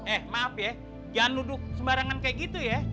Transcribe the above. eh maaf ya jangan duduk sembarangan kayak gitu ya